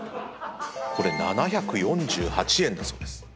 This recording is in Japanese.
これ７４８円だそうです。